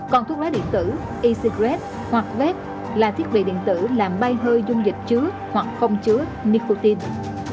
còn thuốc lá điện tử e cigarette hoặc vép là thiết bị điện tử làm bay hơi dung dịch chứa hoặc không chứa nicotine